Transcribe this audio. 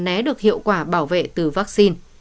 nế được hiệu quả bảo vệ từ vắc xin